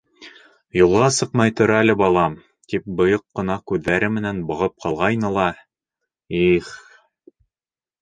Юлға сыҡмай тор әле, балам, тип бойоҡ ҡына күҙҙәре менән бағып ҡалғайны ла, их...